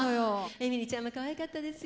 えみりちゃんもかわいかったですよ。